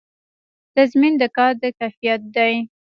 تضمین د کار د کیفیت دی